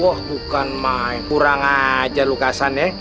wah bukan mai kurang aja lo krasan ya